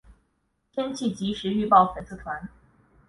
天气即时预报粉丝团